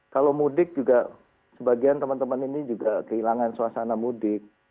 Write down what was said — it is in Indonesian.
kalau mudik juga sebagian teman teman ini juga kehilangan suasana mudik